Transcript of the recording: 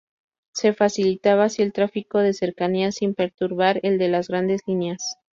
Se facilitaba así el tráfico de cercanías sin perturbar el de las grandes líneas.